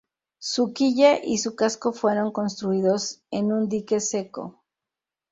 Su quilla y su casco fueron construidos en un dique seco.